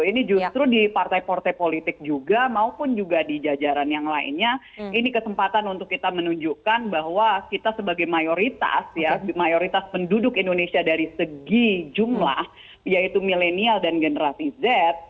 ini justru di partai partai politik juga maupun juga di jajaran yang lainnya ini kesempatan untuk kita menunjukkan bahwa kita sebagai mayoritas ya mayoritas penduduk indonesia dari segi jumlah yaitu milenial dan generasi z